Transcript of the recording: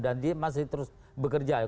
dan dia masih terus bekerja ya